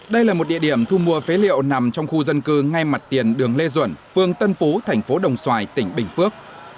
đây là một địa điểm thu mua phế liệu nằm trong khu dân cư ngay mặt tiền đường lê duẩn phương tân phú thành phố đồng xoài tỉnh bình phước